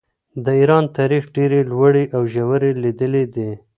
د ایران تاریخ ډېرې لوړې او ژورې لیدلې دي.